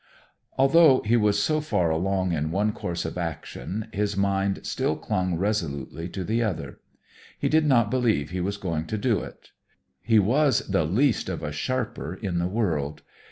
Although he was so far along in one course of action, his mind still clung resolutely to the other. He did not believe he was going to do it. He was the least of a sharper in the world.